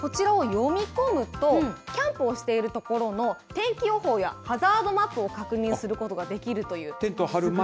これ実はこちらを読み込むとキャンプをしている所の天気予報やハザードマップを確認することができるという。